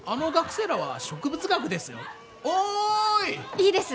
いいです！